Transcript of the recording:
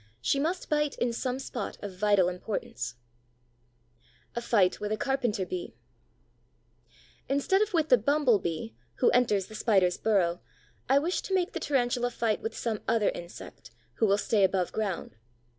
She must bite in some spot of vital importance. A FIGHT WITH A CARPENTER BEE Instead of with the Bumble bee, who enters the Spider's burrow, I wish to make the Tarantula fight with some other insect, who will stay above ground.